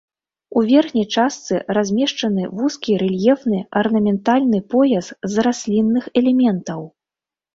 У верхняй частцы размешчаны вузкі рэльефны арнаментальны пояс з раслінных элементаў.